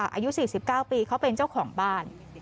อายุ๔๙ปีเขาเป็นเจ้าของบ้าน